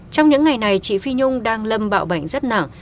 trong những ngày này chị phi nhung đang lâm bạo bệnh rất nặng